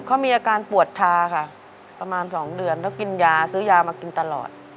เขามีอาการปวดทาค่ะประมาณ๒เดือนแล้วกินยาซื้อยามากินตลอด